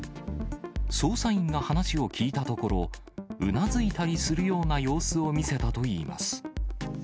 捜査員が話を聴いたところ、うなずいたりするような様子を見せたといいます。